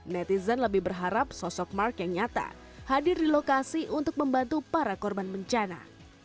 netizen lebih berharap sosok mark yang nyata hadir di lokasi untuk membantu para korban bencana